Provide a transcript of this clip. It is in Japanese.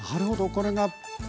これがね